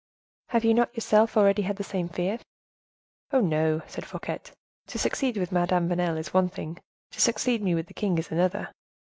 "Have you not yourself already had the same fear?" "Oh! oh!" said Fouquet, "to succeed with Madame Vanel is one thing, to succeed me with the king is another.